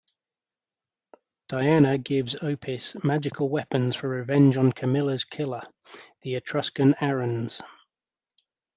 Diana gives Opis magical weapons for revenge on Camilla's killer, the Etruscan Arruns.